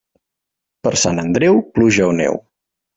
Per Sant Andreu, pluja o neu.